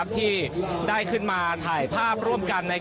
ที่ได้ขึ้นมาถ่ายภาพร่วมกัน